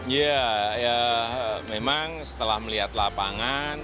ya memang setelah melihat lapangan